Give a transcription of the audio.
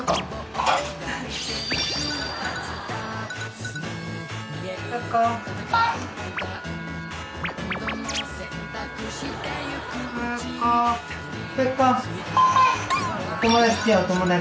お友達お友達。